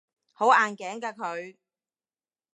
好硬頸㗎佢